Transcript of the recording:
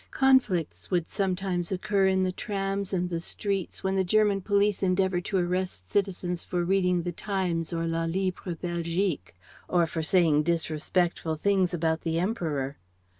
Conflicts would sometimes occur in the trams and the streets when the German police endeavoured to arrest citizens for reading the Times or La Libre Belgique, or for saying disrespectful things about the Emperor.